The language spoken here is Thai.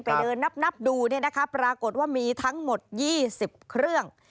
ไปเดินนับดูปรากฏว่ามีทั้งหมด๒๐เครื่อง